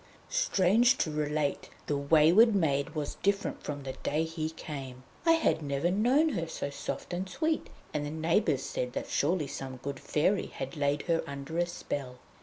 Strange to relate, the wayward maid was different from the day he came. I had never known her so soft and sweet, and the neighbours said that surely some good fairy had laid her under a spell.